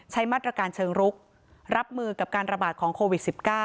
ใช้มาตรการเชิงรุกรับมือกับการระบาดของโควิด๑๙